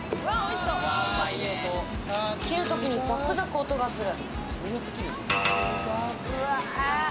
切るときにザクザク音がする。